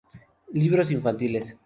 Libros infantiles